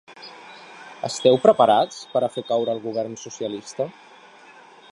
Esteu preparats per a fer caure el govern socialista?